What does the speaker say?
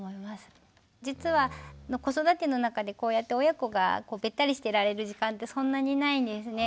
実は子育ての中でこうやって親子がべったりしてられる時間ってそんなにないんですね。